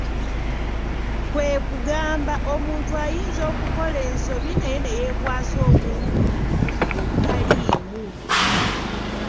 Kwe kugamba omuntu ayinza okukola ensobi naye neyeekwasa obuntuntu obutaliimu !